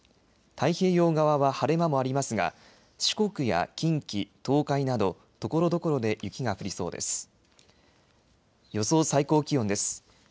太平洋側は晴れ間もありますが四国や近畿、東海などところどころで雪が降りそうです。